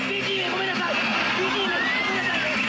ごめんなさい！